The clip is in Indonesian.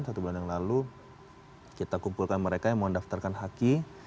satu bulan yang lalu kita kumpulkan mereka yang mau daftarkan haki